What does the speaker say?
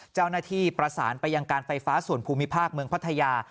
เจ้าหน้าที่ประสานไปยังการไฟฟ้าส่วนภูมิภาคเมืองพัทยา